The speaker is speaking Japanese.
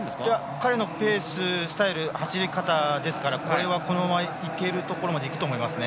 彼のスタイル走り方ですからこれはこのままいけるところまでいくと思いますね。